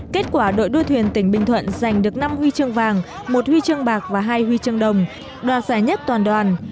kết quả đội đua thuyền tỉnh bình thuận giành được năm huy chương vàng một huy chương bạc và hai huy chương đồng đoạt giải nhất toàn đoàn